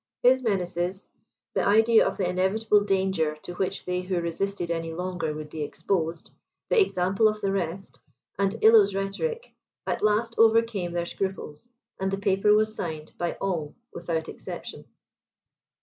His menaces, the idea of the inevitable danger to which they who resisted any longer would be exposed, the example of the rest, and Illo's rhetoric, at last overcame their scruples; and the paper was signed by all without exception.